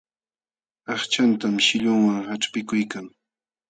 Aqchantan shillunwan qaćhpikuykan.